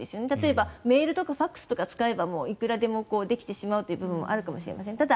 例えばメールとかファクスとかを使えばいくらでもできてしまうという部分はあるかもしれません。